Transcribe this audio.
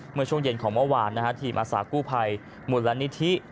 เมื่อช่วงเย็นของเมื่อวานทีมอาสากู้ภัยมูลละนิธิ